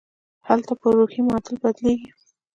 هلته پر روحي معادل بدلېږي.